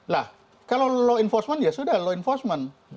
nah kalau law enforcement ya sudah law enforcement